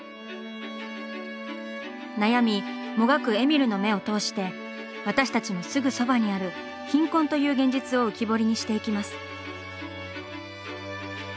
悩みもがくえみるの目を通して私たちのすぐそばにある「貧困」という現実を浮き彫りにしていきます。